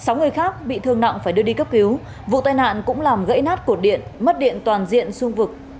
sáu người khác bị thương nặng phải đưa đi cấp cứu vụ tai nạn cũng làm gãy nát cột điện mất điện toàn diện xuống vực